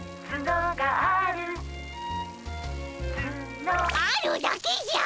あるだけじゃ！